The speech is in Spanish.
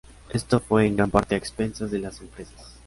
Esto fue en gran parte a expensas de las empresas.